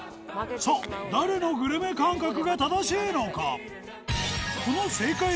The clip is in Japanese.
さあ誰のグルメ感覚が正しいのか？